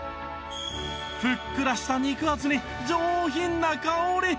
ふっくらした肉厚に上品な香り